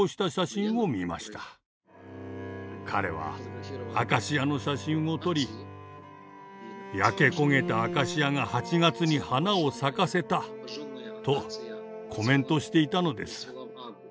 彼はアカシアの写真を撮り「焼け焦げたアカシアが８月に花を咲かせた」とコメントしていたのです。